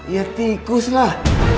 ya tikus lah